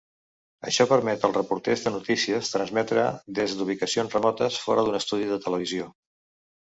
Això permet als reporters de notícies transmetre des d'ubicacions remotes, fora d'un estudi de televisió.